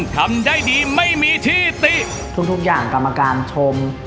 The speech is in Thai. ทุกอย่างกรรมการชม